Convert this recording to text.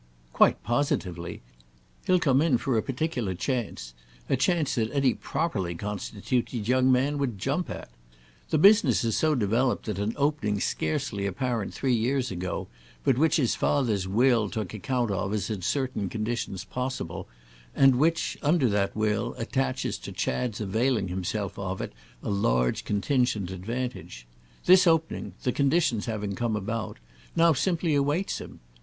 "Quite positively. He'll come in for a particular chance—a chance that any properly constituted young man would jump at. The business has so developed that an opening scarcely apparent three years ago, but which his father's will took account of as in certain conditions possible and which, under that will, attaches to Chad's availing himself of it a large contingent advantage—this opening, the conditions having come about, now simply awaits him.